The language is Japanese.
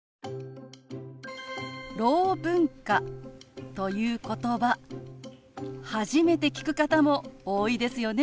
「ろう文化」ということば初めて聞く方も多いですよね。